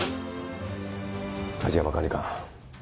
梶山管理官。